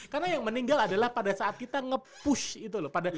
karena yang meninggal adalah pada saat kita nge push gitu loh